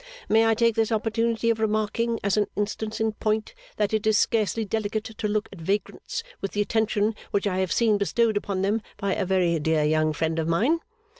May I take this opportunity of remarking, as an instance in point, that it is scarcely delicate to look at vagrants with the attention which I have seen bestowed upon them by a very dear young friend of mine?